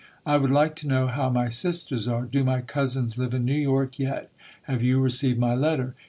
I would like to know how my sisters are. Do my cousins live in New York yet? Have you received my letter?